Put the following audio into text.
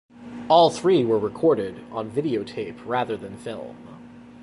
All three were recorded on videotape rather than film.